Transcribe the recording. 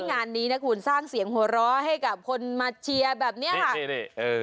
งานนี้คุณสร้างเสียงโหร้ให้กับคนมาเชียร์แบบนี้ค่ะโอเค